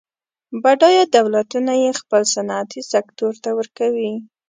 بډایه دولتونه یې خپل صنعتي سکتور ته ورکوي.